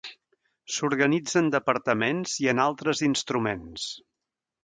S'organitza en departaments i en altres instruments.